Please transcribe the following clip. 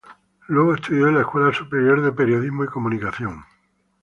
Luego estudió en la Escuela Superior de Periodismo y Comunicación.